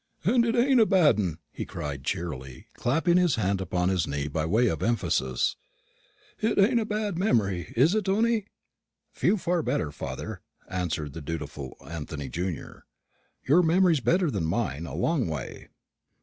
"And it ain't a bad un," he cried, cheerily, clapping his hand upon his knee by way of emphasis. "It ain't a bad memory, is it, Tony?" "Few better, father," answered the dutiful Anthony junior. "Your memory's better than mine, a long way."